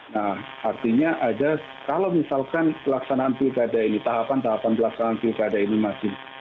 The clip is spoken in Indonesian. nah artinya ada kalau misalkan pelaksanaan pilkada ini tahapan tahapan pelaksanaan pilkada ini masih